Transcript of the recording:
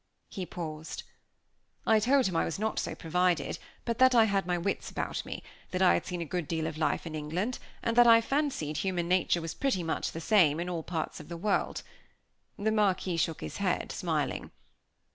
He paused. I told him I was not so provided, but that I had my wits about me; that I had seen a good deal of life in England, and that I fancied human nature was pretty much the same in all parts of the world. The Marquis shook his head, smiling.